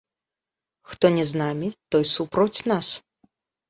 Хто не з намі, той супроць нас!